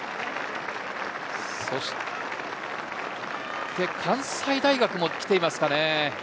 そして関西大学も来ていますかね。